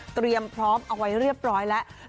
เตรียมพร้อมเอาไว้เรียบร้อยแล้ว